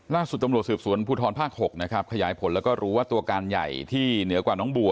ล่าสุดตำรวจสืบสวนภูทรภาค๖นะครับขยายผลแล้วก็รู้ว่าตัวการใหญ่ที่เหนือกว่าน้องบัว